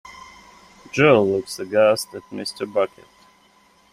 Jo looks aghast at Mr. Bucket.